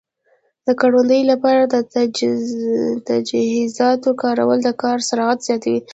د کروندې لپاره د تجهیزاتو کارول د کار سرعت زیاتوي.